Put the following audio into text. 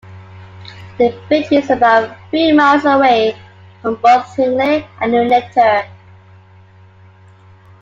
The village is about three miles away from both Hinckley and Nuneaton.